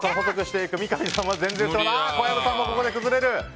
小籔さんもここで崩れる。